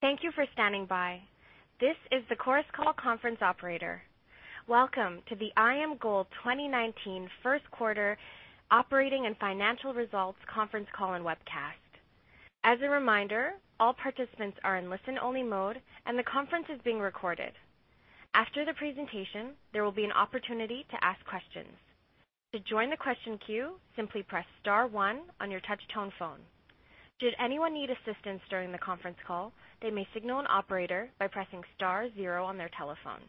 Thank you for standing by. This is the Chorus Call Conference Operator. Welcome to the IAMGOLD 2019 first quarter operating and financial results conference call and webcast. As a reminder, all participants are in listen-only mode and the conference is being recorded. After the presentation, there will be an opportunity to ask questions. To join the question queue, simply press star one on your touch-tone phone. Should anyone need assistance during the conference call, they may signal an operator by pressing star zero on their telephone.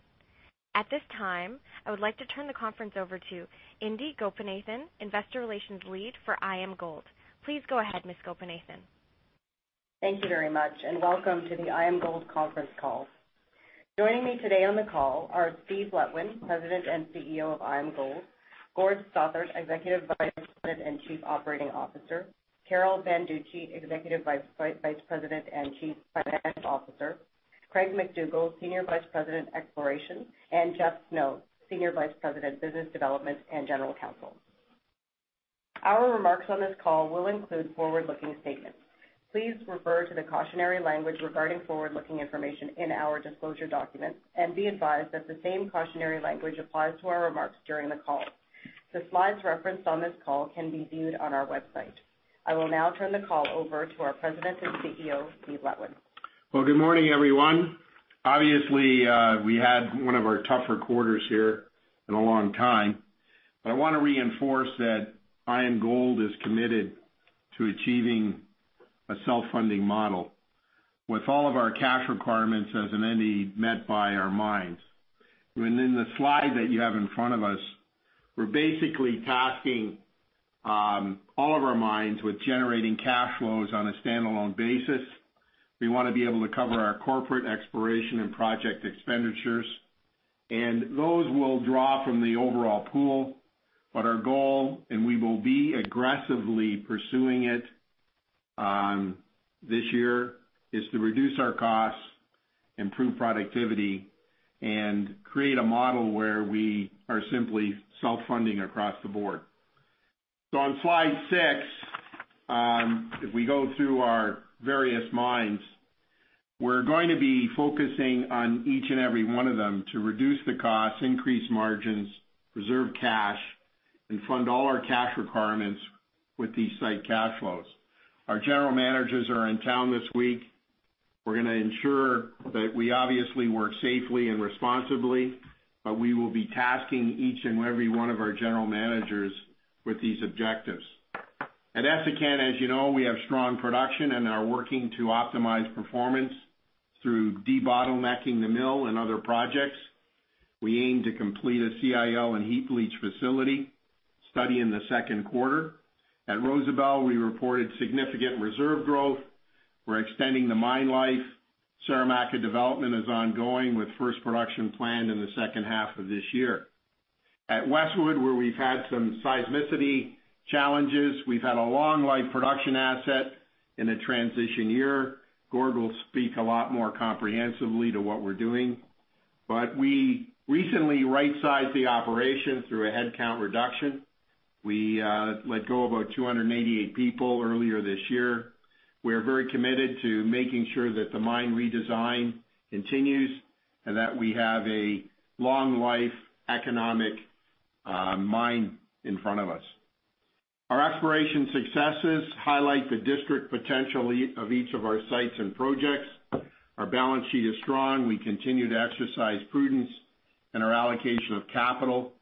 At this time, I would like to turn the conference over to Indi Gopinathan, Investor Relations Lead for IAMGOLD. Please go ahead, Ms. Gopinathan. Thank you very much, welcome to the IAMGOLD conference call. Joining me today on the call are Steve Letwin, President and CEO of IAMGOLD, Gordon Stothart, Executive Vice President and Chief Operating Officer, Carol Banducci, Executive Vice President and Chief Financial Officer, Craig MacDougall, Senior Vice President, Exploration, and Jeffrey Snow, Senior Vice President, Business Development and General Counsel. Our remarks on this call will include forward-looking statements. Please refer to the cautionary language regarding forward-looking information in our disclosure documents, and be advised that the same cautionary language applies to our remarks during the call. The slides referenced on this call can be viewed on our website. I will now turn the call over to our President and CEO, Steve Letwin. Good morning, everyone. Obviously, we had one of our tougher quarters here in a long time, but I want to reinforce that IAMGOLD is committed to achieving a self-funding model with all of our cash requirements as of any met by our mines. In the slide that you have in front of us, we're basically tasking all of our mines with generating cash flows on a standalone basis. We want to be able to cover our corporate exploration and project expenditures, and those will draw from the overall pool. Our goal, and we will be aggressively pursuing it this year, is to reduce our costs, improve productivity, and create a model where we are simply self-funding across the board. On slide six, if we go through our various mines, we're going to be focusing on each and every one of them to reduce the costs, increase margins, reserve cash, and fund all our cash requirements with these site cash flows. Our general managers are in town this week. We're going to ensure that we obviously work safely and responsibly, but we will be tasking each and every one of our general managers with these objectives. At Essakane, as you know, we have strong production and are working to optimize performance through debottlenecking the mill and other projects. We aim to complete a CIL and heap leach facility study in the second quarter. At Rosebel, we reported significant reserve growth. We're extending the mine life. Saramacca development is ongoing, with first production planned in the second half of this year. At Westwood, where we've had some seismicity challenges, we've had a long life production asset in a transition year. Gord will speak a lot more comprehensively to what we're doing, but we recently right-sized the operation through a headcount reduction. We let go of about 288 people earlier this year. We are very committed to making sure that the mine redesign continues and that we have a long life economic mine in front of us. Our exploration successes highlight the district potential of each of our sites and projects. Our balance sheet is strong. We continue to exercise prudence in our allocation of capital.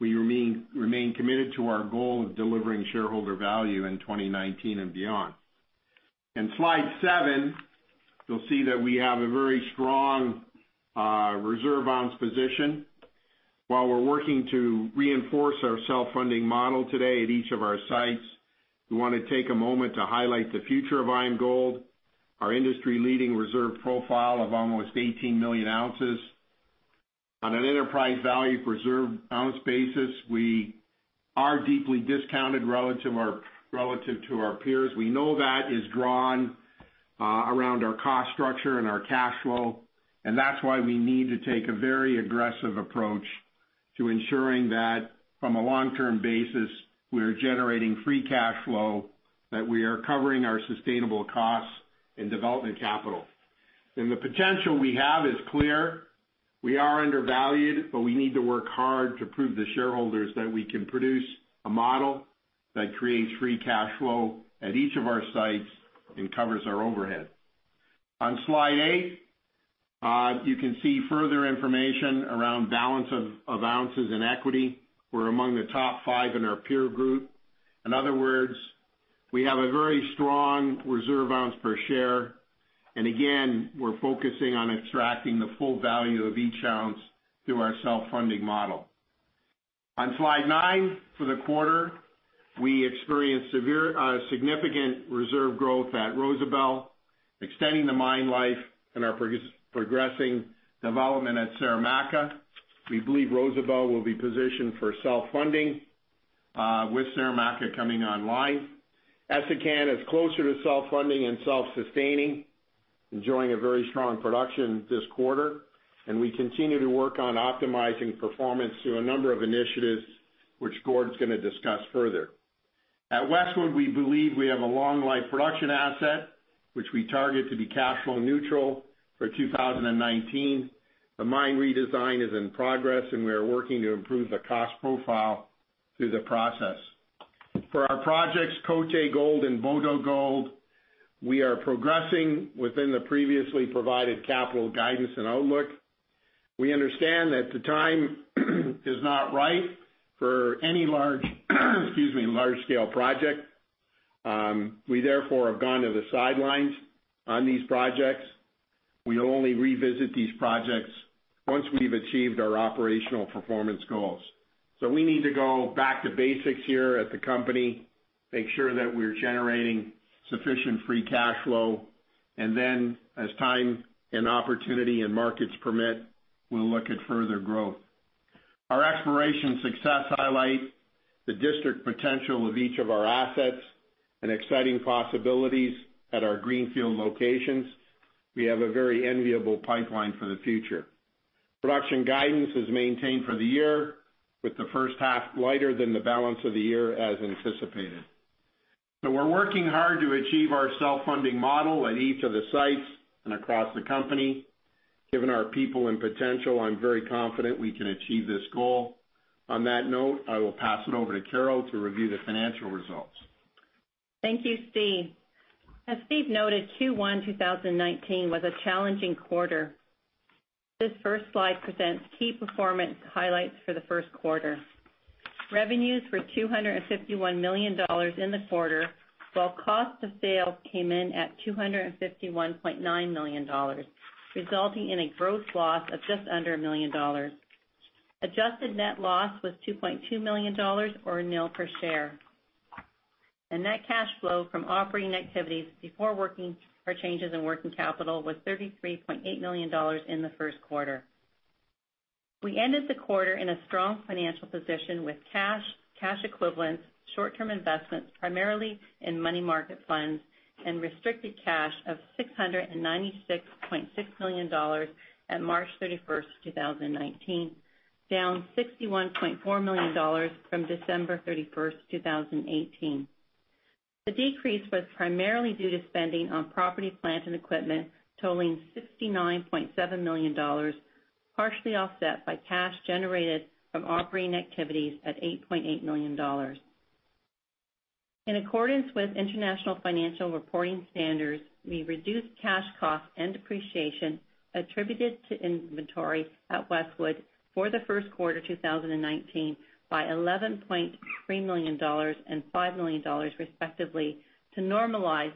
We remain committed to our goal of delivering shareholder value in 2019 and beyond. In slide seven, you'll see that we have a very strong reserve ounce position. While we're working to reinforce our self-funding model today at each of our sites, we want to take a moment to highlight the future of IAMGOLD, our industry-leading reserve profile of almost 18 million ounces. On an enterprise value per reserve ounce basis, we are deeply discounted relative to our peers. We know that is drawn around our cost structure and our cash flow, and that's why we need to take a very aggressive approach to ensuring that from a long-term basis, we are generating free cash flow, that we are covering our sustainable costs in development capital. The potential we have is clear. We are undervalued, but we need to work hard to prove to shareholders that we can produce a model that creates free cash flow at each of our sites and covers our overhead. On slide eight, you can see further information around balance of ounces and equity. We're among the top five in our peer group. In other words, we have a very strong reserve ounce per share. Again, we're focusing on extracting the full value of each ounce through our self-funding model. On slide nine, for the quarter, we experienced significant reserve growth at Rosebel, extending the mine life and are progressing development at Saramacca. We believe Rosebel will be positioned for self-funding with Saramacca coming online. Essakane is closer to self-funding and self-sustaining, enjoying a very strong production this quarter, and we continue to work on optimizing performance through a number of initiatives, which Gord's going to discuss further. At Westwood, we believe we have a long-life production asset, which we target to be cash flow neutral for 2019. The mine redesign is in progress, and we are working to improve the cost profile through the process. For our projects, Côté Gold and Boto Gold, we are progressing within the previously provided capital guidance and outlook. We understand that the time is not right for any large scale project. We therefore have gone to the sidelines on these projects. We will only revisit these projects once we've achieved our operational performance goals. We need to go back to basics here at the company, make sure that we're generating sufficient free cash flow, and then as time and opportunity and markets permit, we'll look at further growth. Our exploration success highlight the district potential of each of our assets and exciting possibilities at our greenfield locations. We have a very enviable pipeline for the future. Production guidance is maintained for the year, with the first half lighter than the balance of the year, as anticipated. We're working hard to achieve our self-funding model at each of the sites and across the company. Given our people and potential, I'm very confident we can achieve this goal. On that note, I will pass it over to Carol to review the financial results. Thank you, Steve. As Steve noted, Q1 2019 was a challenging quarter. This first slide presents key performance highlights for the first quarter. Revenues were $251 million in the quarter, while cost of sales came in at $251.9 million, resulting in a gross loss of just under $1 million. Adjusted net loss was $2.2 million or nil per share. The net cash flow from operating activities before working or changes in working capital was $33.8 million in the first quarter. We ended the quarter in a strong financial position with cash equivalents, short-term investments, primarily in money market funds, and restricted cash of $696.6 million at March 31st, 2019, down $61.4 million from December 31st, 2018. The decrease was primarily due to spending on property, plant, and equipment totaling $69.7 million, partially offset by cash generated from operating activities at $8.8 million. In accordance with international financial reporting standards, we reduced cash cost and depreciation attributed to inventory at Westwood for the first quarter 2019 by $11.3 million and $5 million respectively, to normalize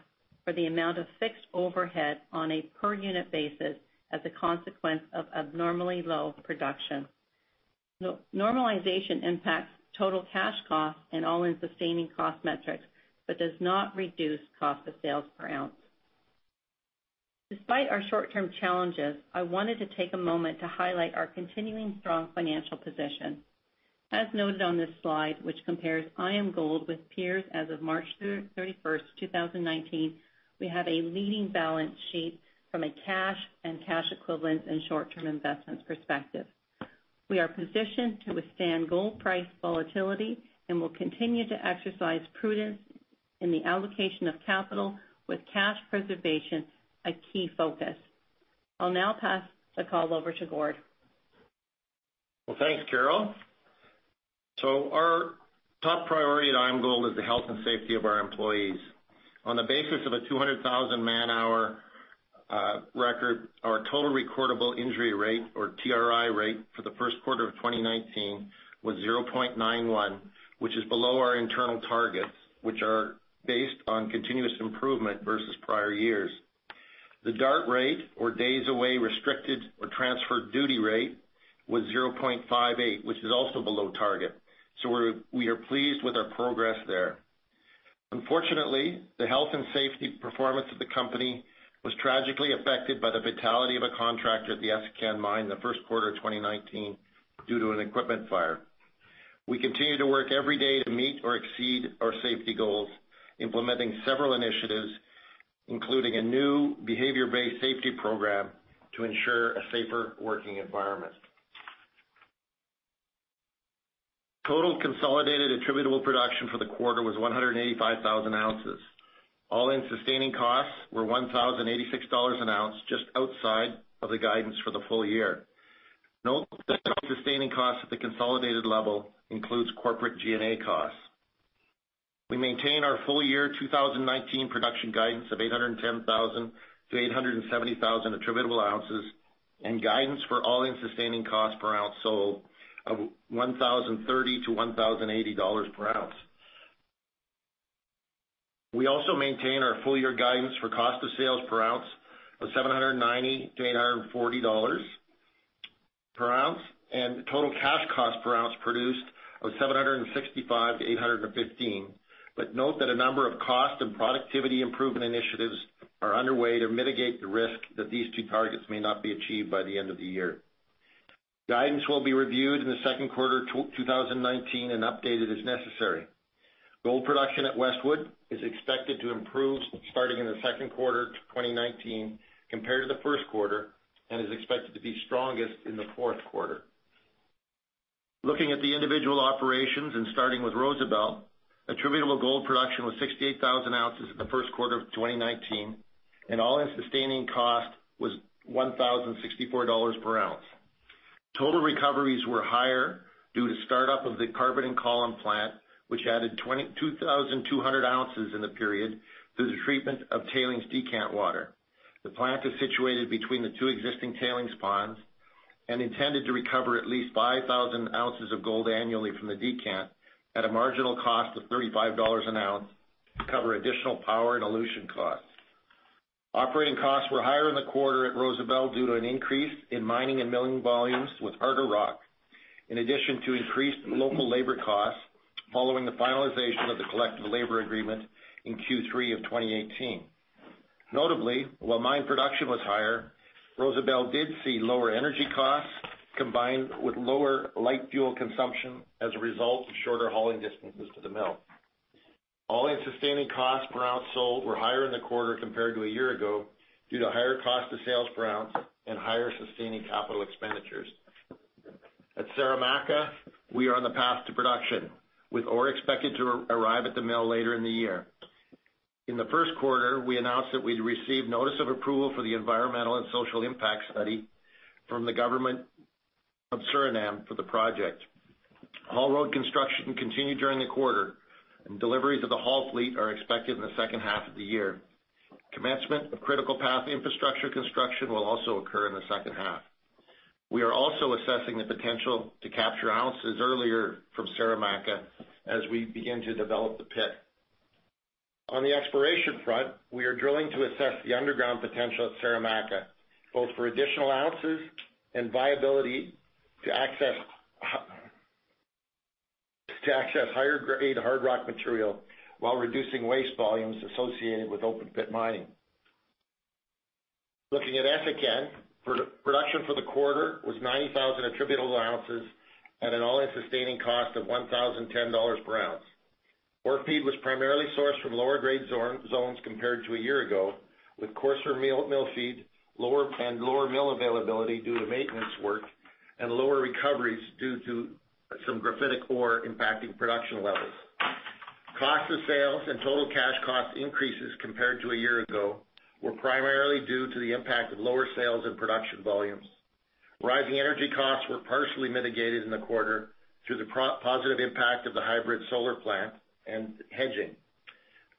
for the amount of fixed overhead on a per-unit basis as a consequence of abnormally low production. Normalization impacts total cash cost and all-in sustaining cost metrics, but does not reduce cost of sales per ounce. Despite our short-term challenges, I wanted to take a moment to highlight our continuing strong financial position. As noted on this slide, which compares IAMGOLD with peers as of March 31st, 2019, we have a leading balance sheet from a cash and cash equivalent and short-term investments perspective. We are positioned to withstand gold price volatility and will continue to exercise prudence in the allocation of capital with cash preservation a key focus. I'll now pass the call over to Gord. Thanks, Carol. Our top priority at IAMGOLD is the health and safety of our employees. On the basis of a 200,000-man hour record, our total recordable injury rate, or TRI rate, for the first quarter of 2019 was 0.91, which is below our internal targets, which are based on continuous improvement versus prior years. The DART rate, or days away restricted or transferred duty rate, was 0.58, which is also below target. We are pleased with our progress there. Unfortunately, the health and safety performance of the company was tragically affected by the fatality of a contractor at the Essakane mine in the first quarter of 2019 due to an equipment fire. We continue to work every day to meet or exceed our safety goals, implementing several initiatives, including a new behavior-based safety program to ensure a safer working environment. Total consolidated attributable production for the quarter was 185,000 ounces. All-in sustaining costs were $1,086 an ounce, just outside of the guidance for the full year. Note that all-in sustaining costs at the consolidated level includes corporate G&A costs. We maintain our full-year 2019 production guidance of 810,000 to 870,000 attributable ounces and guidance for all-in sustaining costs per ounce sold of $1,030-$1,080 per ounce. We also maintain our full-year guidance for cost of sales per ounce of $790-$840 per ounce, and total cash cost per ounce produced of $765-$815. Note that a number of cost and productivity improvement initiatives are underway to mitigate the risk that these two targets may not be achieved by the end of the year. Guidance will be reviewed in the second quarter of 2019 and updated as necessary. Gold production at Westwood is expected to improve starting in the second quarter 2019 compared to the first quarter and is expected to be strongest in the fourth quarter. Looking at the individual operations and starting with Rosebel, attributable gold production was 68,000 ounces in the first quarter of 2019, and all-in sustaining cost was $1,064 per ounce. Total recoveries were higher due to start-up of the carbon-in-column plant, which added 22,200 ounces in the period through the treatment of tailings decant water. The plant is situated between the two existing tailings ponds and intended to recover at least 5,000 ounces of gold annually from the decant at a marginal cost of $35 an ounce to cover additional power and elution costs. Operating costs were higher in the quarter at Rosebel due to an increase in mining and milling volumes with harder rock, in addition to increased local labor costs following the finalization of the collective labor agreement in Q3 of 2018. Notably, while mine production was higher, Rosebel did see lower energy costs combined with lower light fuel consumption as a result of shorter hauling distances to the mill. All-in sustaining costs per ounce sold were higher in the quarter compared to a year ago due to higher cost of sales per ounce and higher sustaining capital expenditures. At Saramacca, we are on the path to production, with ore expected to arrive at the mill later in the year. In the first quarter, we announced that we'd received notice of approval for the environmental and social impact study from the government of Suriname for the project. Haul road construction continued during the quarter, and deliveries of the haul fleet are expected in the second half of the year. Commencement of critical path infrastructure construction will also occur in the second half. We are also assessing the potential to capture ounces earlier from Saramacca as we begin to develop the pit. On the exploration front, we are drilling to assess the underground potential at Saramacca, both for additional ounces and viability to access higher grade hard rock material while reducing waste volumes associated with open pit mining. Looking at Essakane, production for the quarter was 90,000 attributable ounces at an all-in sustaining cost of $1,010 per ounce. Ore feed was primarily sourced from lower grade zones compared to a year ago, with coarser mill feed and lower mill availability due to maintenance work and lower recoveries due to some graphitic ore impacting production levels. Cost of sales and total cash cost increases compared to a year ago were primarily due to the impact of lower sales and production volumes. Rising energy costs were partially mitigated in the quarter through the positive impact of the hybrid solar plant and hedging.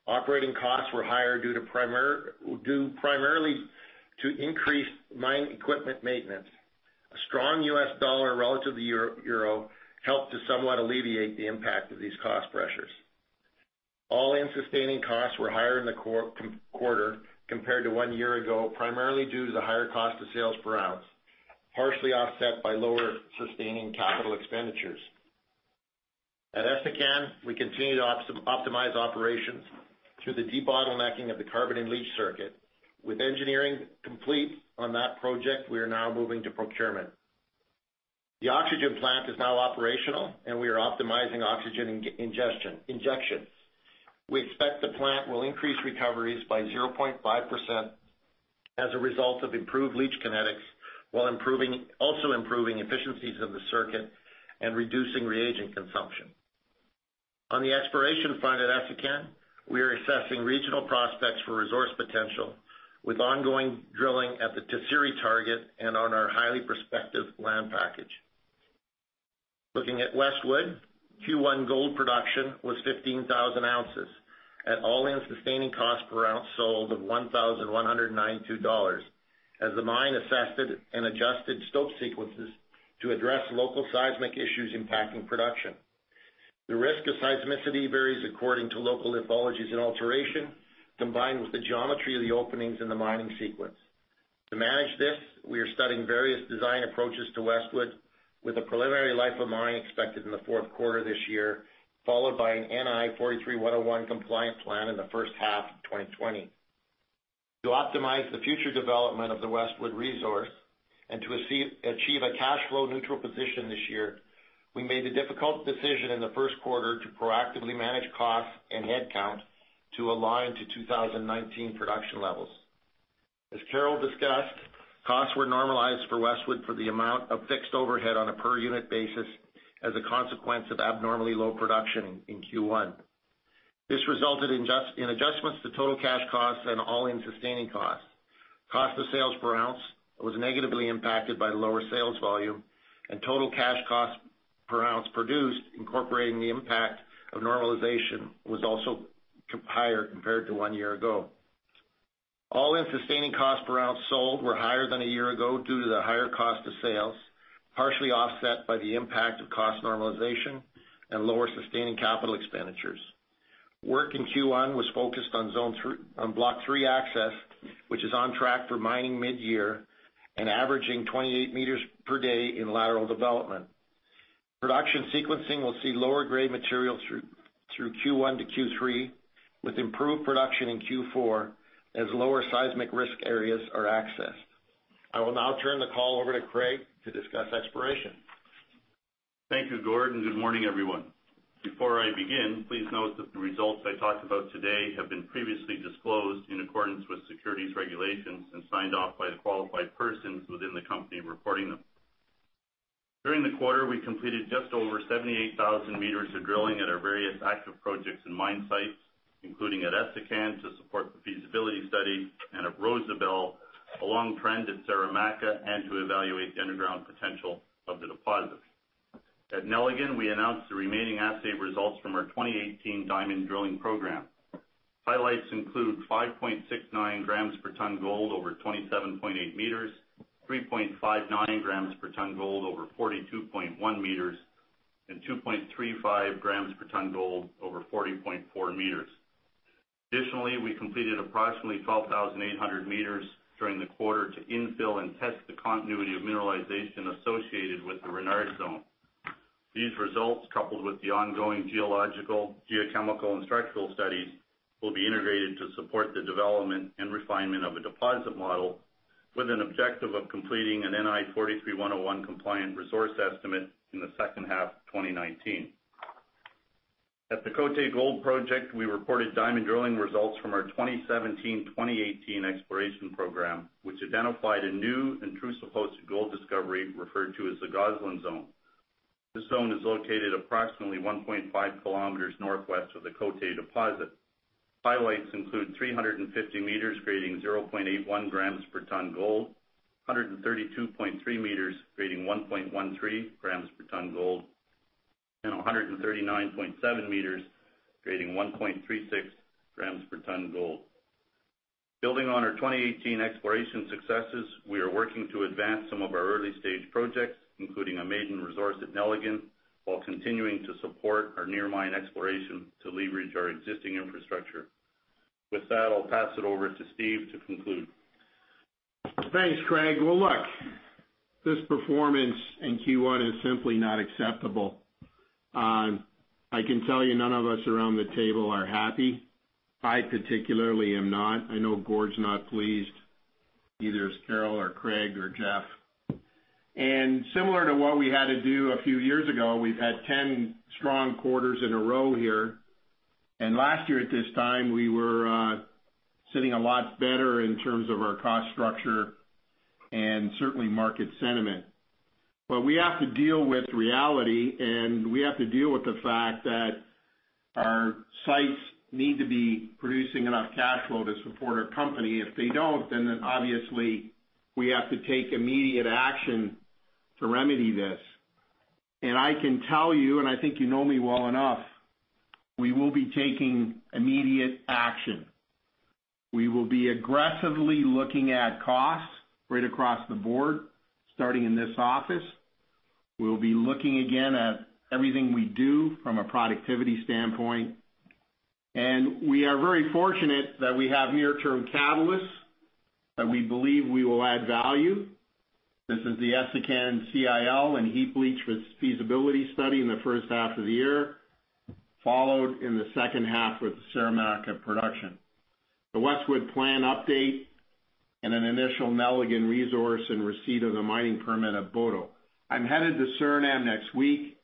Operating costs were higher due primarily to increased mine equipment maintenance. A strong U.S. dollar relative to the euro helped to somewhat alleviate the impact of these cost pressures. All-in sustaining costs were higher in the quarter compared to one year ago, primarily due to the higher cost of sales per ounce, partially offset by lower sustaining capital expenditures. At Essakane, we continue to optimize operations through the debottlenecking of the carbon-in-leach circuit. With engineering complete on that project, we are now moving to procurement. The oxygen plant is now operational and we are optimizing oxygen injections. We expect the plant will increase recoveries by 0.5% as a result of improved leach kinetics, while also improving efficiencies of the circuit and reducing reagent consumption. On the exploration front at Essakane, we are assessing regional prospects for resource potential with ongoing drilling at the Tisiri target and on our highly prospective land package. Looking at Westwood, Q1 gold production was 15,000 ounces at all-in sustaining cost per ounce sold of $1,192 as the mine assessed and adjusted stope sequences to address local seismic issues impacting production. The risk of seismicity varies according to local lithologies and alteration, combined with the geometry of the openings in the mining sequence. To manage this, we are studying various design approaches to Westwood with a preliminary life of mining expected in the fourth quarter this year, followed by an NI 43-101 compliant plan in the first half of 2020. To optimize the future development of the Westwood resource and to achieve a cash flow neutral position this year, we made the difficult decision in the first quarter to proactively manage costs and headcount to align to 2019 production levels. As Carol discussed, costs were normalized for Westwood for the amount of fixed overhead on a per unit basis as a consequence of abnormally low production in Q1. This resulted in adjustments to total cash costs and all-in sustaining costs. Cost of sales per ounce was negatively impacted by lower sales volume, and total cash cost per ounce produced, incorporating the impact of normalization, was also higher compared to one year ago. All-in sustaining cost per ounce sold were higher than a year ago due to the higher cost of sales, partially offset by the impact of cost normalization and lower sustaining capital expenditures. Work in Q1 was focused on block three access, which is on track for mining mid-year and averaging 28 meters per day in lateral development. Production sequencing will see lower grade material through Q1 to Q3, with improved production in Q4 as lower seismic risk areas are accessed. I will now turn the call over to Craig to discuss exploration. Thank you, Gord. Good morning, everyone. Before I begin, please note that the results I talk about today have been previously disclosed in accordance with securities regulations and signed off by the qualified persons within the company reporting them. During the quarter, we completed just over 78,000 meters of drilling at our various active projects and mine sites, including at Essakane to support the feasibility study and at Rosebel, along trend at Saramacca and to evaluate the underground potential of the deposit. At Nelligan, we announced the remaining assay results from our 2018 diamond drilling program. Highlights include 5.69 grams per ton gold over 27.8 meters, 3.59 grams per ton gold over 42.1 meters, and 2.35 grams per ton gold over 40.4 meters. We completed approximately 12,800 meters during the quarter to infill and test the continuity of mineralization associated with the Renard Zone. These results, coupled with the ongoing geological, geochemical and structural studies, will be integrated to support the development and refinement of a deposit model with an objective of completing an NI 43-101 compliant resource estimate in the second half of 2019. At the Côté Gold Project, we reported diamond drilling results from our 2017/2018 exploration program, which identified a new intrusive host gold discovery referred to as the Gosselin Zone. This zone is located approximately 1.5 kilometers northwest of the Côté deposit. Highlights include 350 meters grading 0.81 grams per ton gold, 132.3 meters grading 1.13 grams per ton gold, and 139.7 meters grading 1.36 grams per ton gold. Building on our 2018 exploration successes, we are working to advance some of our early-stage projects, including a maiden resource at Nelligan, while continuing to support our near mine exploration to leverage our existing infrastructure. With that, I'll pass it over to Steve to conclude. Thanks, Craig. Well, look, this performance in Q1 is simply not acceptable. I can tell you none of us around the table are happy. I particularly am not. I know Gord's not pleased, neither is Carol or Craig or Jeff. Similar to what we had to do a few years ago, we've had 10 strong quarters in a row here, and last year at this time, we were sitting a lot better in terms of our cost structure and certainly market sentiment. We have to deal with reality, and we have to deal with the fact that our sites need to be producing enough cash flow to support our company. If they don't, obviously we have to take immediate action to remedy this. I can tell you, and I think you know me well enough, we will be taking immediate action. We will be aggressively looking at costs right across the board, starting in this office. We'll be looking again at everything we do from a productivity standpoint. We are very fortunate that we have near-term catalysts that we believe we will add value. This is the Essakane CIL and heap leach with feasibility study in the first half of the year, followed in the second half with the Saramacca production. The Westwood plan update, and an initial Nelligan resource and receipt of the mining permit at Boto. I'm headed to Suriname next week.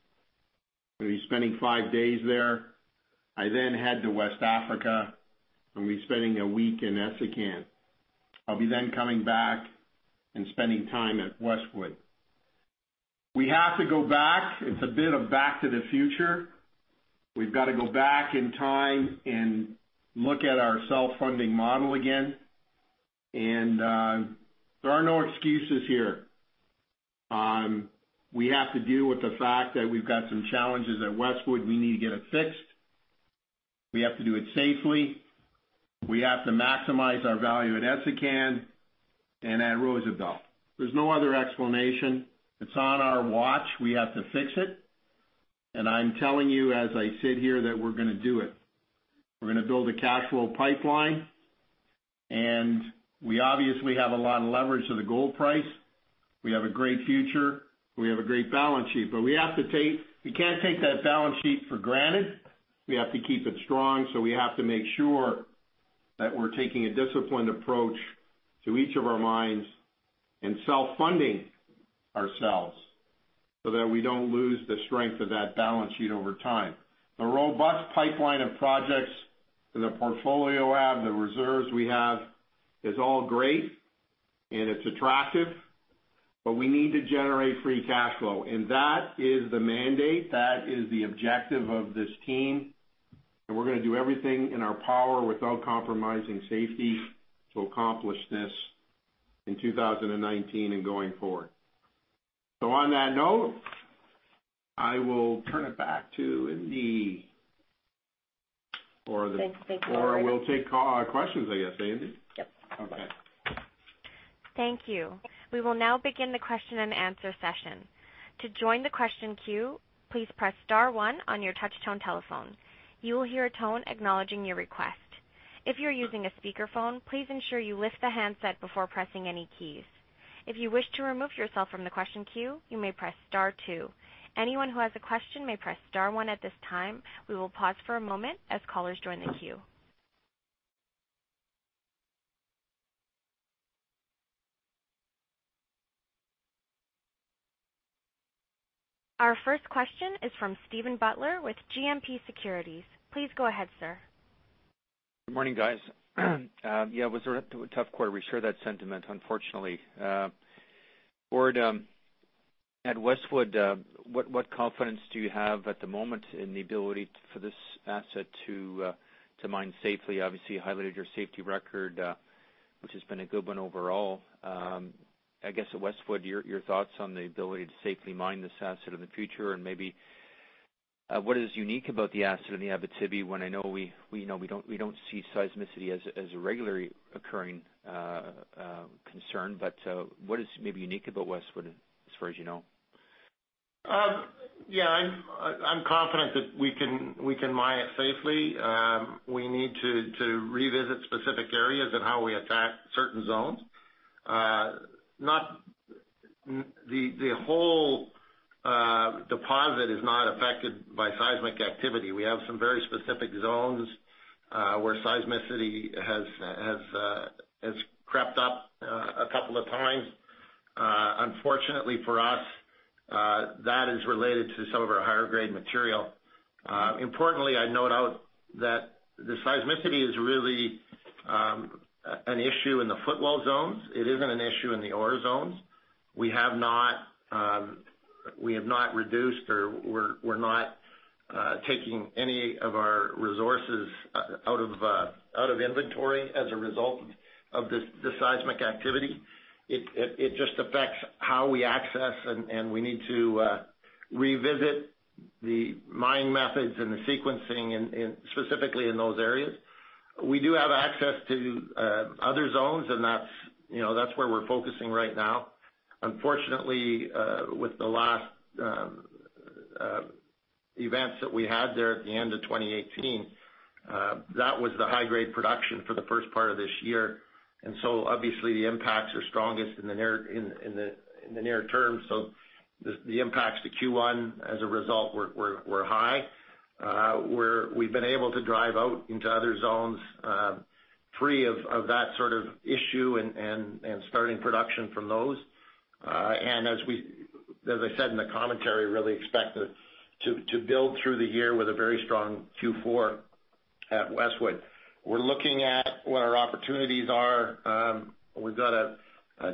I'm going to be spending five days there. I head to West Africa. I'm going to be spending a week in Essakane. I'll be then coming back and spending time at Westwood. We have to go back. It's a bit of back to the future. We've got to go back in time and look at our self-funding model again. There are no excuses here. We have to deal with the fact that we've got some challenges at Westwood. We need to get it fixed. We have to do it safely. We have to maximize our value at Essakane and at Rosebel. There's no other explanation. It's on our watch. We have to fix it. I'm telling you as I sit here that we're going to do it. We're going to build a cash flow pipeline, and we obviously have a lot of leverage to the gold price. We have a great future. We have a great balance sheet. We can't take that balance sheet for granted. We have to keep it strong, so we have to make sure that we're taking a disciplined approach to each of our mines and self-funding ourselves so that we don't lose the strength of that balance sheet over time. The robust pipeline of projects that the portfolio have, the reserves we have, is all great and it's attractive, but we need to generate free cash flow. That is the mandate. That is the objective of this team, and we're going to do everything in our power without compromising safety to accomplish this in 2019 and going forward. On that note, I will turn it back to Indi. Thanks. We'll take questions, I guess. Indi? Yep. Okay. Thank you. We will now begin the question and answer session. To join the question queue, please press *1 on your touchtone telephone. You will hear a tone acknowledging your request. If you're using a speakerphone, please ensure you lift the handset before pressing any keys. If you wish to remove yourself from the question queue, you may press *2. Anyone who has a question may press *1 at this time. We will pause for a moment as callers join the queue. Our first question is from Steven Butler with GMP Securities. Please go ahead, sir. Good morning, guys. It was a tough quarter. We share that sentiment, unfortunately. Gord, at Westwood, what confidence do you have at the moment in the ability for this asset to mine safely? Obviously, you highlighted your safety record, which has been a good one overall. I guess at Westwood, your thoughts on the ability to safely mine this asset in the future, and maybe what is unique about the asset in the Abitibi, when I know we don't see seismicity as a regularly occurring concern. What is maybe unique about Westwood, as far as you know? I'm confident that we can mine it safely. We need to revisit specific areas and how we attack certain zones. The whole deposit is not affected by seismic activity. We have some very specific zones where seismicity has crept up a couple of times. Unfortunately for us, that is related to some of our higher-grade material. Importantly, I note out that the seismicity is really an issue in the footwall zones. It isn't an issue in the ore zones. We have not reduced or we're not taking any of our resources out of inventory as a result of the seismic activity. It just affects how we access, and we need to revisit the mining methods and the sequencing specifically in those areas. We do have access to other zones, and that's where we're focusing right now. Unfortunately, with the last events that we had there at the end of 2018, that was the high-grade production for the first part of this year. Obviously the impacts are strongest in the near term. The impacts to Q1 as a result were high. We've been able to drive out into other zones free of that sort of issue and starting production from those. As I said in the commentary, really expect to build through the year with a very strong Q4 at Westwood. We're looking at what our opportunities are. We've got a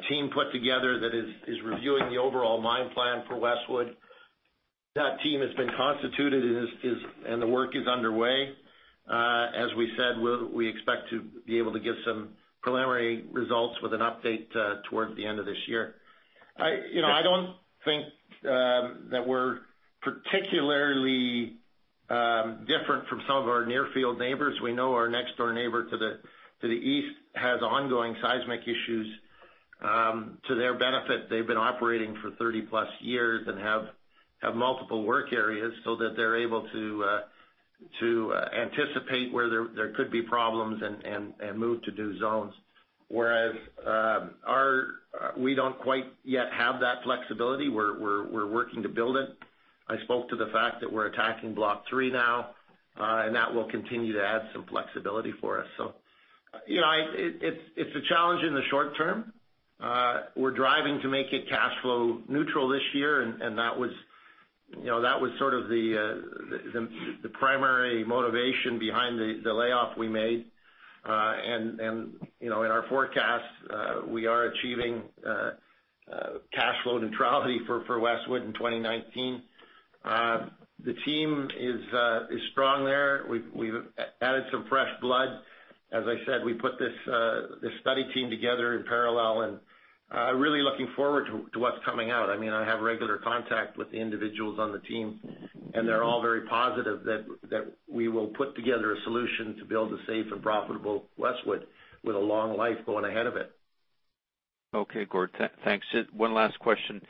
team put together that is reviewing the overall mine plan for Westwood. That team has been constituted, and the work is underway. As we said, we expect to be able to give some preliminary results with an update towards the end of this year. I don't think that we're particularly different from some of our near field neighbors. We know our next door neighbor to the east has ongoing seismic issues. To their benefit, they've been operating for 30-plus years and have multiple work areas so that they're able to anticipate where there could be problems and move to new zones. Whereas we don't quite yet have that flexibility. We're working to build it. I spoke to the fact that we're attacking Block 3 now, That will continue to add some flexibility for us. It's a challenge in the short term. We're driving to make it cash flow neutral this year, That was sort of the primary motivation behind the layoff we made. In our forecast, we are achieving cash flow neutrality for Westwood in 2019. The team is strong there. We've added some fresh blood. As I said, we put this study team together in parallel, Really looking forward to what's coming out. I have regular contact with the individuals on the team, They're all very positive that we will put together a solution to build a safe and profitable Westwood with a long life going ahead of it. Okay, Gord. Thanks. Just one last question.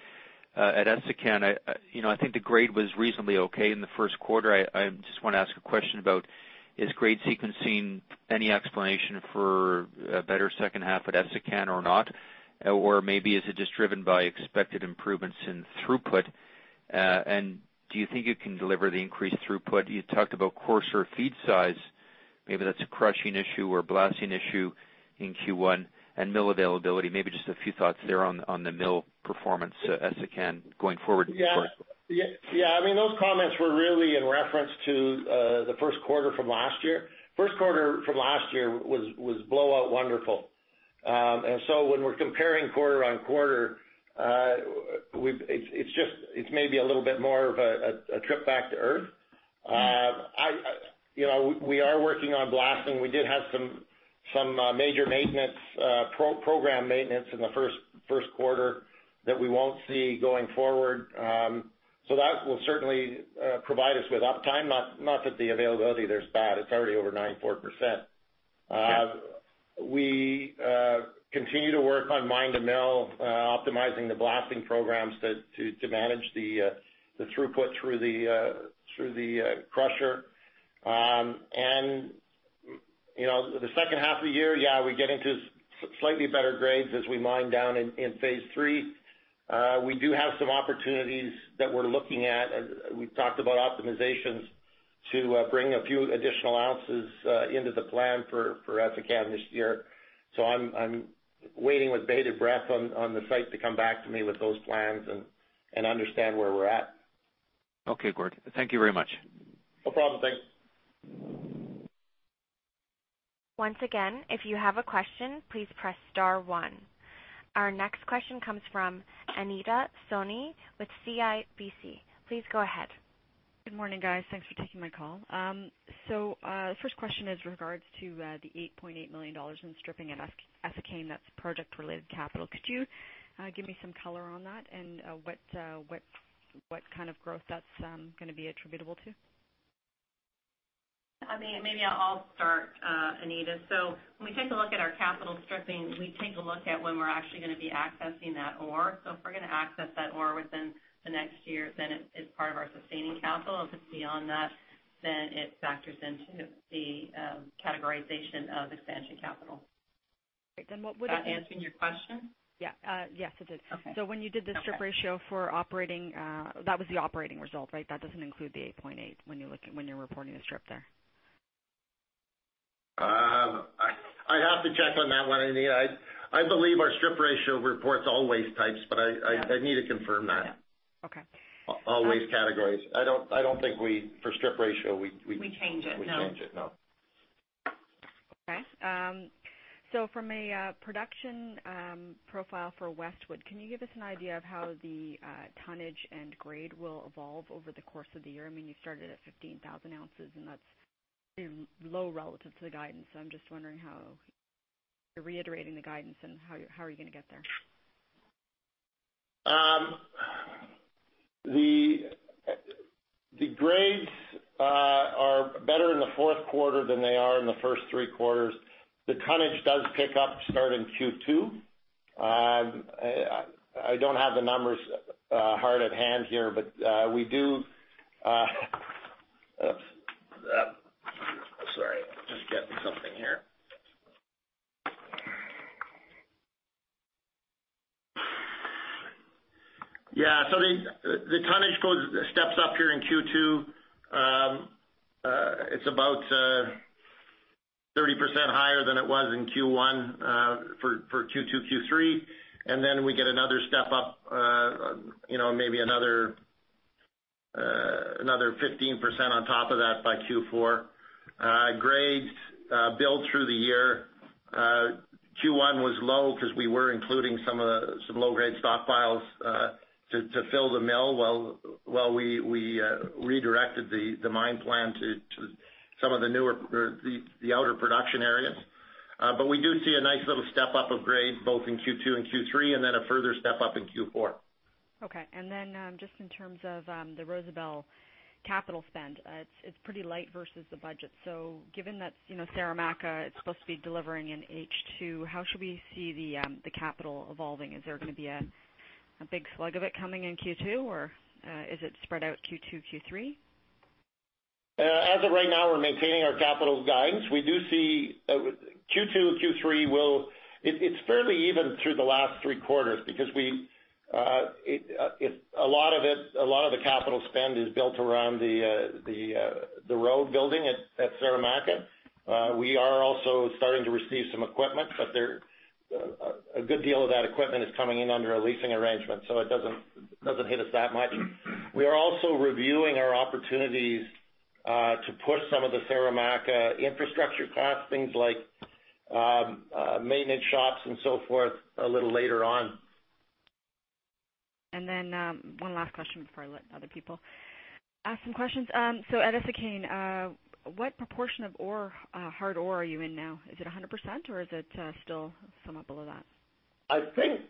At Essakane, I think the grade was reasonably okay in the first quarter. I just want to ask a question about, is grade sequencing any explanation for a better second half at Essakane or not? Maybe is it just driven by expected improvements in throughput? Do you think it can deliver the increased throughput? You talked about coarser feed size, maybe that's a crushing issue or blasting issue in Q1, and mill availability. Maybe just a few thoughts there on the mill performance at Essakane going forward. Yeah. Those comments were really in reference to the first quarter from last year. First quarter from last year was blowout wonderful. When we're comparing quarter-on-quarter, it's maybe a little bit more of a trip back to Earth. We are working on blasting. We did have some major maintenance, program maintenance in the first quarter that we won't see going forward. That will certainly provide us with uptime, not that the availability there's bad. It's already over 94%. Yeah. We continue to work on mine to mill, optimizing the blasting programs to manage the throughput through the crusher. The second half of the year, yeah, we get into slightly better grades as we mine down in phase 3. We do have some opportunities that we're looking at. We've talked about optimizations to bring a few additional ounces into the plan for Essakane this year. I'm waiting with bated breath on the site to come back to me with those plans and understand where we're at. Okay, Gord. Thank you very much. No problem. Thanks. Once again, if you have a question, please press star one. Our next question comes from Anita Soni with CIBC. Please go ahead. Good morning, guys. Thanks for taking my call. First question is in regards to the $8.8 million in stripping at Essakane, that's project-related capital. Could you give me some color on that and what kind of growth that's going to be attributable to? I mean, maybe I'll start, Anita. When we take a look at our capital stripping, we take a look at when we're actually going to be accessing that ore. If we're going to access that ore within the next year, it's part of our sustaining capital. If it's beyond that, it factors into the categorization of expansion capital. Great. Does that answer your question? Yeah. Yes, it did. Okay. When you did the strip ratio for operating, that was the operating result, right? That doesn't include the 8.8 when you're reporting the strip there. I'd have to check on that one, Anita. I believe our strip ratio reports all waste types, but I need to confirm that. Yeah. Okay. All waste categories. I don't think for strip ratio. We change it, no. We change it, no. Okay. From a production profile for Westwood, can you give us an idea of how the tonnage and grade will evolve over the course of the year? I mean, you started at 15,000 ounces and that's low relative to the guidance, I'm just wondering how you're reiterating the guidance and how are you going to get there? The grades are better in the fourth quarter than they are in the first three quarters. The tonnage does pick up starting Q2. I don't have the numbers hard at hand here. The tonnage steps up here in Q2. It's about 30% higher than it was in Q1 for Q2, Q3, and then we get another step up, maybe another 15% on top of that by Q4. Grades build through the year. Q1 was low because we were including some low-grade stockpiles to fill the mill while we redirected the mine plan to some of the outer production areas. We do see a nice little step-up of grade, both in Q2 and Q3, and then a further step up in Q4. Okay. Just in terms of the Rosebel capital spend, it's pretty light versus the budget. Given that Saramacca is supposed to be delivering in H2, how should we see the capital evolving? Is there going to be a big slug of it coming in Q2, or is it spread out Q2, Q3? As of right now, we're maintaining our capital guidance. It's fairly even through the last three quarters because a lot of the capital spend is built around the road building at Saramacca. We are also starting to receive some equipment, but a good deal of that equipment is coming in under a leasing arrangement, it doesn't hit us that much. We are also reviewing our opportunities to push some of the Saramacca infrastructure costs, things like maintenance shops and so forth, a little later on. One last question before I let other people ask some questions. At Essakane, what proportion of hard ore are you in now? Is it 100%, or is it still some up below that? I think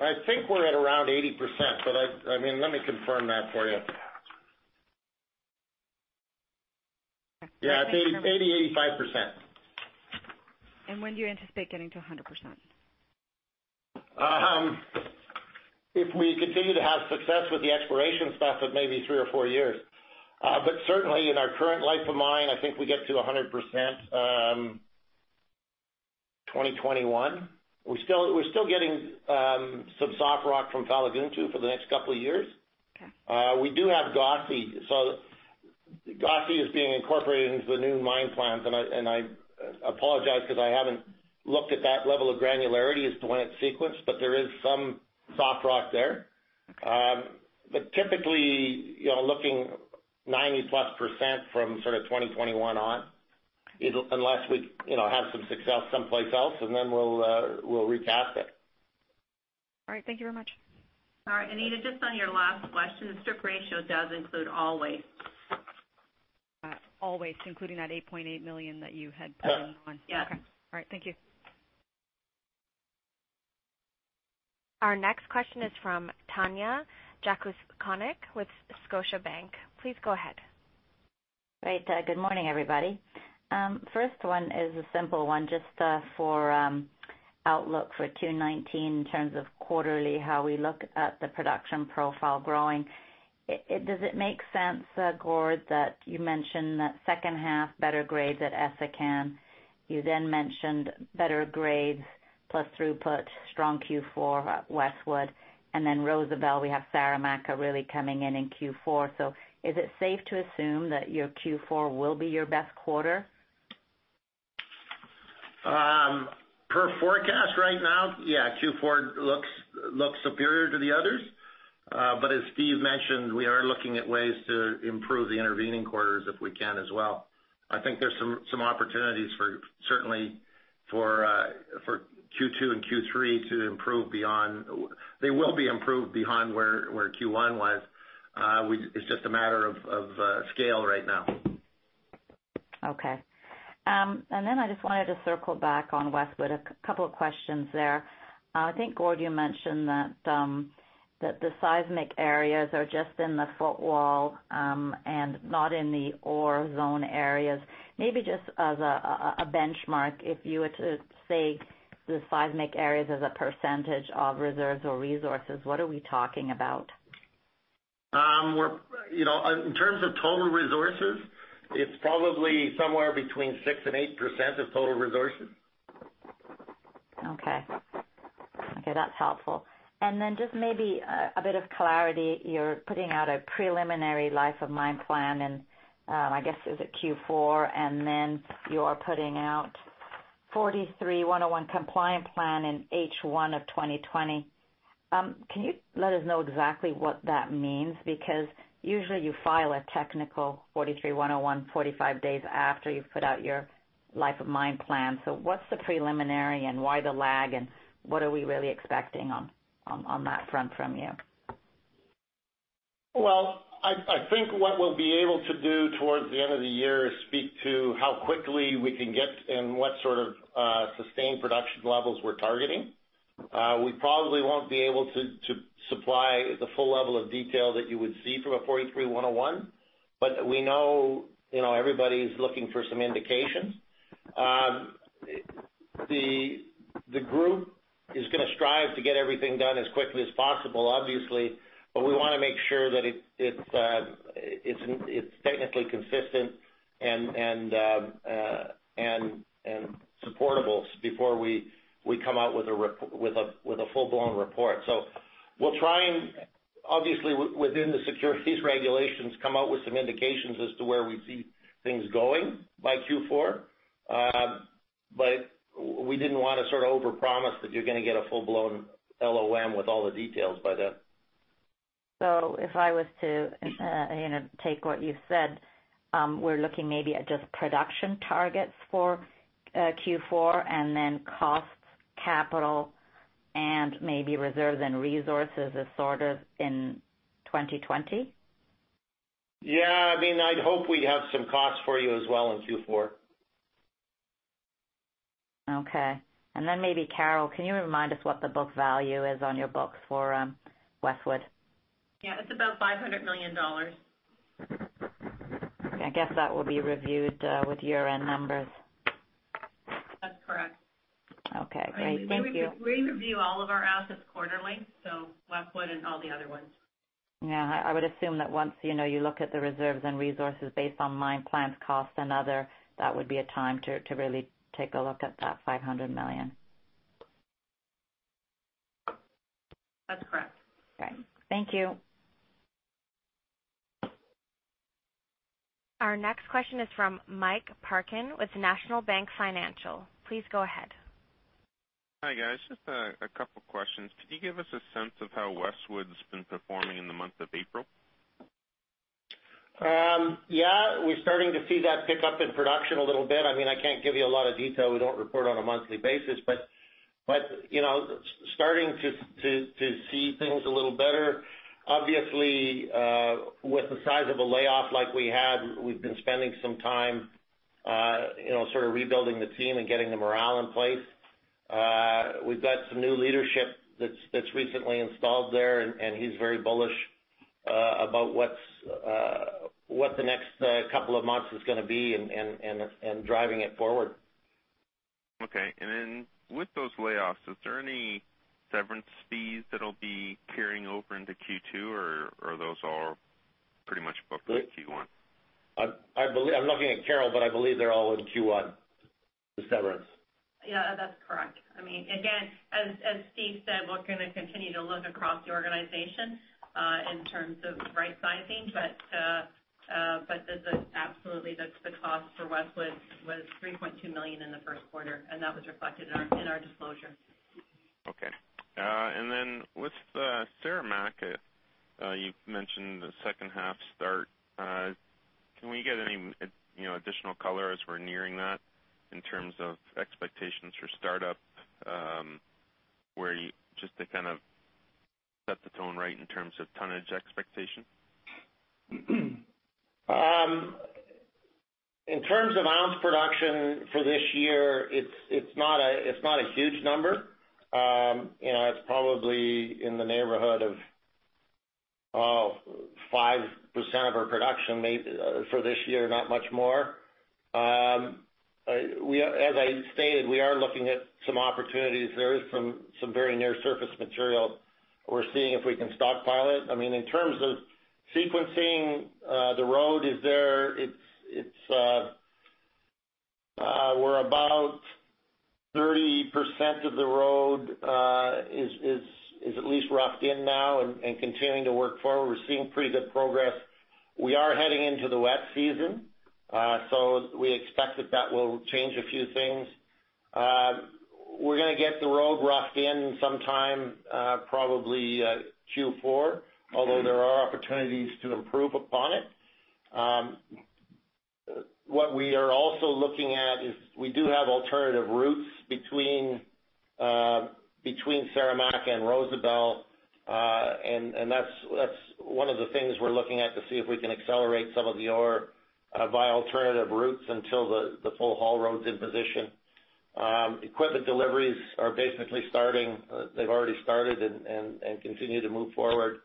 we're at around 80%, but let me confirm that for you. Yeah. Okay. 80, 85%. When do you anticipate getting to 100%? If we continue to have success with the exploration stuff, maybe three or four years. Certainly in our current life of mine, I think we get to 100% 2021. We're still getting some soft rock from Falagountou for the next couple of years. Okay. We do have Gossey. Gossey is being incorporated into the new mine plans, I apologize because I haven't looked at that level of granularity as to when it's sequenced, there is some soft rock there. Typically, looking 90-plus% from 2021 on, unless we have some success someplace else, then we'll recast it. All right. Thank you very much. All right. Anita, just on your last question, the strip ratio does include all waste. All waste, including that 8.8 million that you had put in on. Yes. Okay. All right. Thank you. Our next question is from Tanya Jakusconek with Scotiabank. Please go ahead. Great. Good morning, everybody. First one is a simple one, just for outlook for 2019 in terms of quarterly, how we look at the production profile growing. Does it make sense, Gord, that you mentioned that second half better grades at Essakane? You then mentioned better grades plus throughput, strong Q4 Westwood, and then Rosebel, we have Saramacca really coming in in Q4. Is it safe to assume that your Q4 will be your best quarter? Per forecast right now, yeah, Q4 looks superior to the others. As Steve mentioned, we are looking at ways to improve the intervening quarters if we can as well. I think there's some opportunities, certainly, for Q2 and Q3 to improve beyond. They will be improved beyond where Q1 was. It's just a matter of scale right now. Okay. I just wanted to circle back on Westwood, a couple of questions there. I think, Gord, you mentioned that the seismic areas are just in the footwall, and not in the ore zone areas. Maybe just as a benchmark, if you were to say the seismic areas as a percentage of reserves or resources, what are we talking about? In terms of total resources, it's probably somewhere between 6%-8% of total resources. Okay. Okay, that's helpful. Just maybe a bit of clarity, you're putting out a preliminary life of mine plan, and I guess is it Q4? You're putting out 43-101 compliant plan in H1 of 2020. Can you let us know exactly what that means? Because usually you file a technical 43-101 45 days after you've put out your life of mine plan. What's the preliminary and why the lag, and what are we really expecting on that front from you? Well, I think what we'll be able to do towards the end of the year is speak to how quickly we can get and what sort of sustained production levels we're targeting. We probably won't be able to supply the full level of detail that you would see from a NI 43-101, but we know everybody's looking for some indications. The group is going to strive to get everything done as quickly as possible, obviously, but we want to make sure that it's technically consistent and supportable before we come out with a full-blown report. We'll try and, obviously, within the securities regulations, come out with some indications as to where we see things going by Q4. But we didn't want to sort of overpromise that you're going to get a full-blown LOM with all the details by then. If I was to take what you said, we're looking maybe at just production targets for Q4, and then costs, capital, and maybe reserves and resources are sort of in 2020? Yeah, I'd hope we'd have some costs for you as well in Q4. Okay. Then maybe Carol, can you remind us what the book value is on your books for Westwood? Yeah. It's about $500 million. Okay. I guess that will be reviewed with year-end numbers. That's correct. Okay, great. Thank you. We review all of our assets quarterly, so Westwood and all the other ones. Yeah, I would assume that once you look at the reserves and resources based on mine plans, cost, and other, that would be a time to really take a look at that $500 million. That's correct. Okay. Thank you. Our next question is from Mike Parkin with National Bank Financial. Please go ahead. Hi, guys. Just a couple questions. Could you give us a sense of how Westwood's been performing in the month of April? Yeah. We're starting to see that pick up in production a little bit. I can't give you a lot of detail, we don't report on a monthly basis, starting to see things a little better. Obviously, with the size of a layoff like we had, we've been spending some time sort of rebuilding the team and getting the morale in place. We've got some new leadership that's recently installed there, he's very bullish about what the next couple of months is gonna be and driving it forward. Okay. With those layoffs, is there any severance fees that'll be carrying over into Q2, are those all pretty much booked with Q1? I'm looking at Carol, but I believe they're all in Q1, the severance. Yeah, that's correct. Again, as Steve said, we're going to continue to look across the organization, in terms of right sizing. Absolutely, the cost for Westwood was $3.2 million in the first quarter, and that was reflected in our disclosure. Okay. With Saramacca, you mentioned the second half start. Can we get any additional color as we're nearing that, in terms of expectations for startup? Just to kind of set the tone right in terms of tonnage expectation. In terms of ounce production for this year, it's not a huge number. It's probably in the neighborhood of 5% of our production for this year, not much more. As I stated, we are looking at some opportunities. There is some very near surface material. We're seeing if we can stockpile it. In terms of sequencing, the road is there. We're about 30% of the road is at least roughed in now and continuing to work forward. We're seeing pretty good progress. We are heading into the wet season, we expect that that will change a few things. We're going to get the road roughed in sometime probably Q4, although there are opportunities to improve upon it. What we are also looking at is we do have alternative routes between Saramacca and Rosebel, and that's one of the things we're looking at to see if we can accelerate some of the ore via alternative routes until the full haul road's in position. Equipment deliveries are basically starting. They've already started and continue to move forward.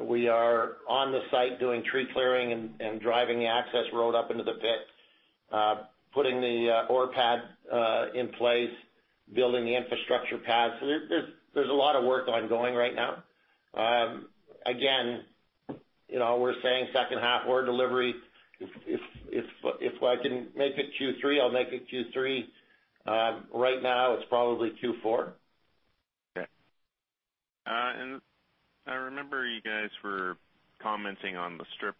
We are on the site doing tree clearing and driving the access road up into the pit, putting the ore pad in place, building the infrastructure paths. There's a lot of work ongoing right now. Again, we're saying second half ore delivery. If I can make it Q3, I'll make it Q3. Right now it's probably Q4. Okay. I remember you guys were commenting on the strip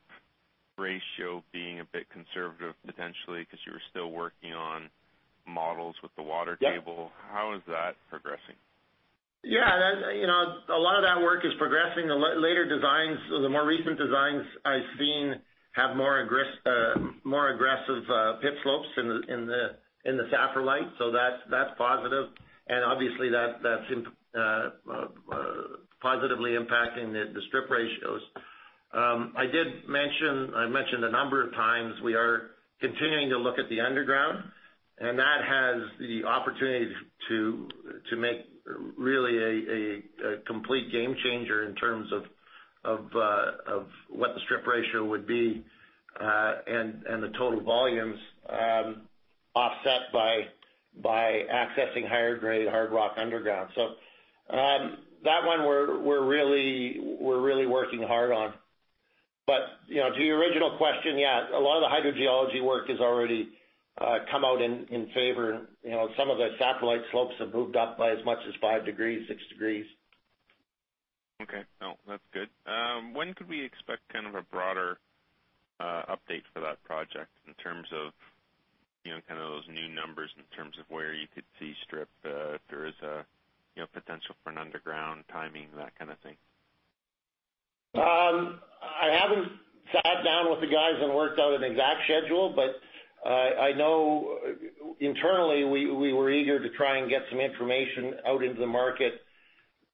ratio being a bit conservative potentially because you were still working on models with the water table. Yeah. How is that progressing? Yeah. A lot of that work is progressing. The later designs, the more recent designs I've seen have more aggressive pit slopes in the saprolite, so that's positive, and obviously that's positively impacting the strip ratios. I mentioned a number of times, we are continuing to look at the underground, that has the opportunity to make really a complete game changer in terms of what the strip ratio would be, and the total volumes offset by accessing higher grade hard rock underground. That one, we're really working hard on. To your original question, yeah, a lot of the hydrogeology work has already come out in favor. Some of the saprolite slopes have moved up by as much as five degrees, six degrees. Okay. No, that's good. When could we expect a broader update for that project in terms of those new numbers, in terms of where you could see strip if there is a potential for an underground timing, that kind of thing? I haven't sat down with the guys and worked out an exact schedule, but I know internally, we were eager to try and get some information out into the market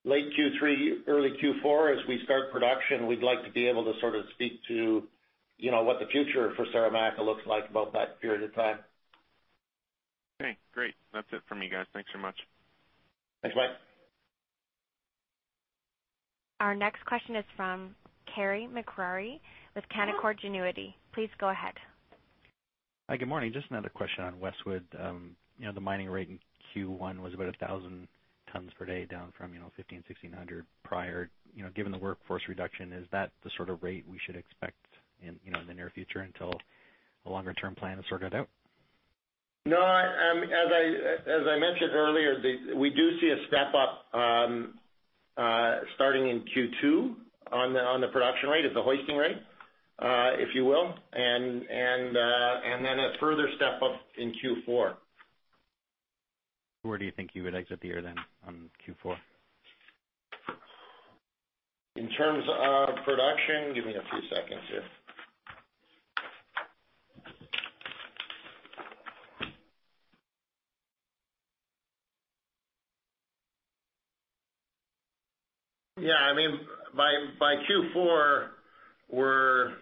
late Q3, early Q4. As we start production, we'd like to be able to sort of speak to what the future for Saramacca looks like about that period of time. Okay, great. That's it from me, guys. Thanks so much. Thanks, Mike. Our next question is from Carey MacRury with Canaccord Genuity. Please go ahead. Hi, good morning. Just another question on Westwood. The mining rate in Q1 was about 1,000 tons per day, down from 1,500, 1,600 prior. Given the workforce reduction, is that the sort of rate we should expect in the near future until a longer term plan is sorted out? No. As I mentioned earlier, we do see a step up starting in Q2 on the production rate, at the hoisting rate, if you will, and a further step up in Q4. Where do you think you would exit the year on Q4? In terms of production, give me a few seconds here. Yeah, by Q4, we are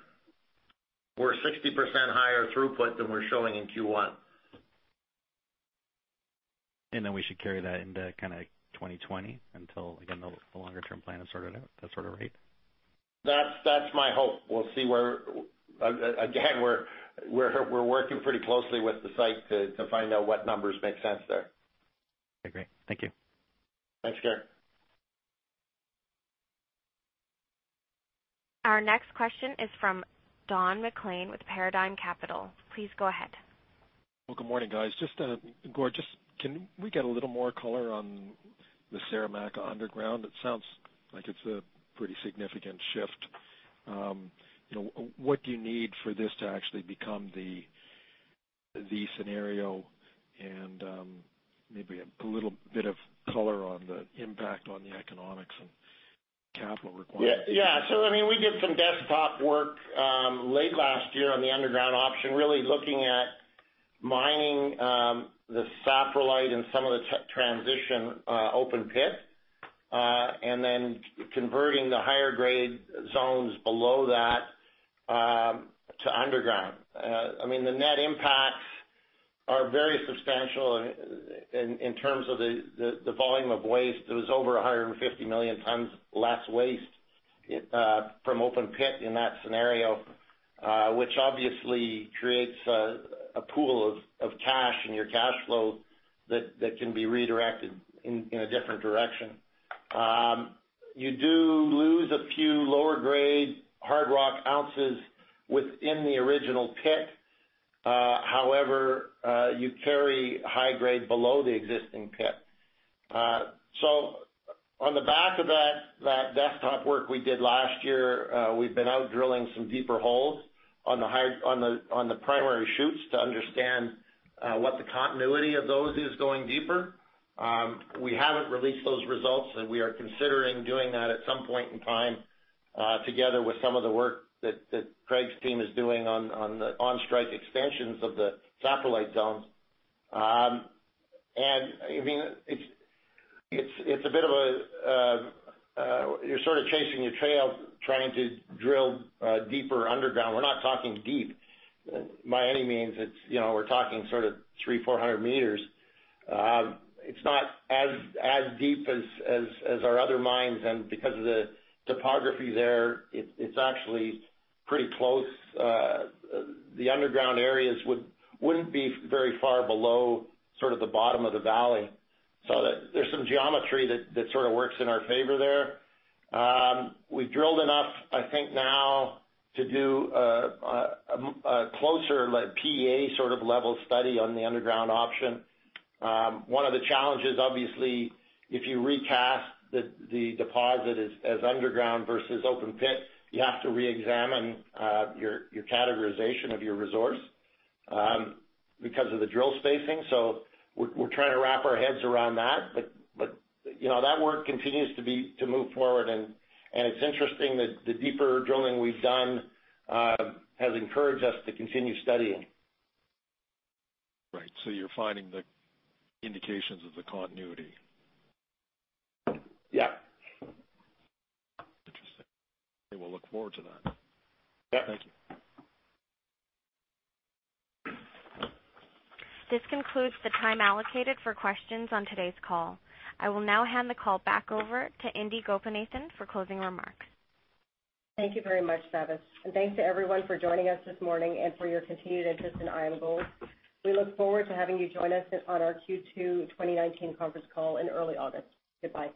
60% higher throughput than we are showing in Q1. Then we should carry that into 2020 until, again, the longer term plan is sorted out, that sort of rate? That is my hope. We will see where Again, we are working pretty closely with the site to find out what numbers make sense there. Okay, great. Thank you. Thanks, Carey. Our next question is from Don McLean with Paradigm Capital. Please go ahead. Well, good morning, guys. Just, Gord, can we get a little more color on the Saramacca underground? It sounds like it's a pretty significant shift. What do you need for this to actually become the scenario, and maybe a little bit of color on the impact on the economics and capital requirements? Yeah. We did some desktop work late last year on the underground option, really looking at mining the saprolite and some of the transition open pit, and then converting the higher grade zones below that to underground. The net impacts are very substantial in terms of the volume of waste. It was over 150 million tons less waste from open pit in that scenario, which obviously creates a pool in your cash flow that can be redirected in a different direction. You do lose a few lower grade hard rock ounces within the original pit. However, you carry high grade below the existing pit. On the back of that desktop work we did last year, we've been out drilling some deeper holes on the primary shoots to understand what the continuity of those is going deeper. We haven't released those results. We are considering doing that at some point in time, together with some of the work that Craig's team is doing on the on-strike extensions of the satellite zones. It's a bit of a. You're sort of chasing your tail trying to drill deeper underground. We're not talking deep by any means. We're talking sort of 300, 400 meters. It's not as deep as our other mines. Because of the topography there, it's actually pretty close. The underground areas wouldn't be very far below the bottom of the valley. There's some geometry that sort of works in our favor there. We've drilled enough, I think, now to do a closer, like PEA sort of level study on the underground option. One of the challenges, obviously, if you recast the deposit as underground versus open pit, you have to reexamine your categorization of your resource because of the drill spacing. We're trying to wrap our heads around that. That work continues to move forward. It's interesting that the deeper drilling we've done has encouraged us to continue studying. Right. You're finding the indications of the continuity. Yeah. Interesting. We'll look forward to that. Yeah. Thank you. This concludes the time allocated for questions on today's call. I will now hand the call back over to Indi Gopinathan for closing remarks. Thank you very much, Savas. Thanks to everyone for joining us this morning and for your continued interest in IAMGOLD. We look forward to having you join us on our Q2 2019 conference call in early August. Goodbye.